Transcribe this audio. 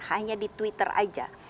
hanya di twitter aja